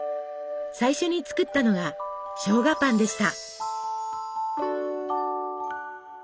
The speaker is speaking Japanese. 最初に作ったのがしょうがパンでした。